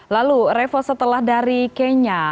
lalu revo setelah dari kenya